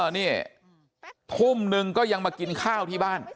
นี่ทุ่มนึงก็ยังมากินข้าวที่บ้าน